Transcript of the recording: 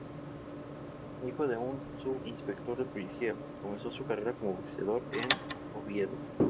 Hijo de un subinspector de policía, comenzó su carrera como boxeador en Oviedo.